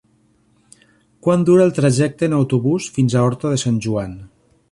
Quant dura el trajecte en autobús fins a Horta de Sant Joan?